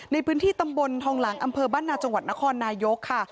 ในพื้นที่ตำบลทองหลังอำเภอบ้านนาจังหวัดนครนายกค่ะ